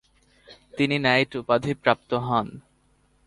তিনি নাইট উপাধি প্রাপ্ত হন।